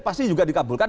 pasti juga dikabulkan